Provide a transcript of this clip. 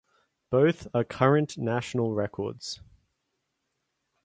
Both are current national records.